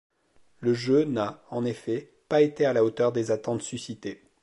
Le jeu n'a, en effet, pas été à la hauteur des attentes suscitées.